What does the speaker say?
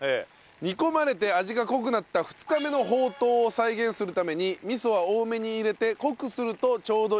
煮込まれて味が濃くなった２日目のほうとうを再現するために味噌は多めに入れて濃くするとちょうどいい味付けになりますと。